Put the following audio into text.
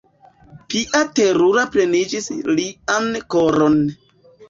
Pia teruro plenigis lian koron.